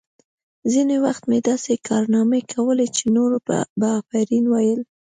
ځینې وخت مې داسې کارنامې کولې چې نورو به آفرین ویل